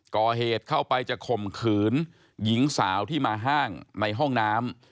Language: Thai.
ก่อเหตุเข้าไปจะข่มขืนหญิงสาวที่มาห้างในห้องน้ำ